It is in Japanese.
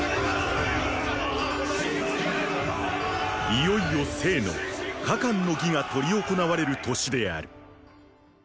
いよいよ政の“加冠の儀”が執り行われる年である。